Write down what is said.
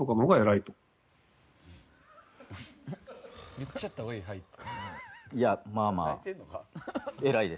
「言っちゃった方がいい“はい”って」